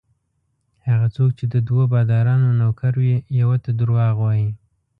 هغه څوک چې د دوو بادارانو نوکر وي یوه ته درواغ وايي.